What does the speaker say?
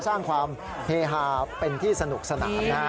สร้างความเฮฮาเป็นที่สนุกสนานนะฮะ